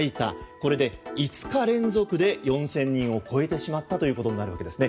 これで５日連続で４０００人を超えてしまったということになるわけですね。